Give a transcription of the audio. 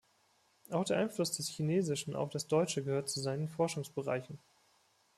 Auch der Einfluss des Chinesischen auf das Deutsche gehört zu seinen Forschungsbereichen.